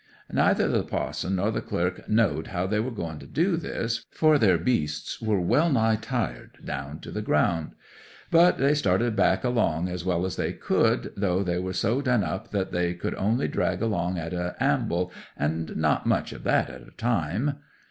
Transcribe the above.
'Neither the pa'son nor the clerk knowed how they were going to do this, for their beasts were wellnigh tired down to the ground. But they started back along as well as they could, though they were so done up that they could only drag along at a' amble, and not much of that at a time.